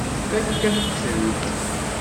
Tfakk-ak-tent.